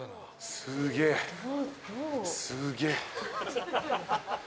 すげえすげえ。